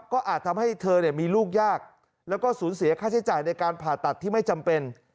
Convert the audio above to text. ก็อาจทำให้เธอมีลูกยากแล้วก็สูญเสียค่าใช้จ่ายในการผ่าตัดที่ไม่จำเป็น